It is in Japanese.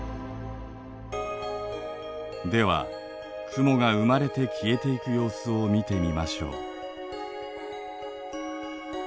では雲が生まれて消えていく様子を見てみましょう。